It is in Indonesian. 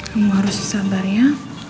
kamu harus sabar ya